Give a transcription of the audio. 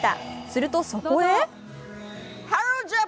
するとそこへ。